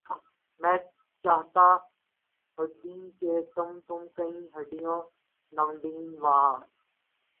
میں چاہتا ہیںں کہ تم تم کیں ڈھیںنڈیں وہاں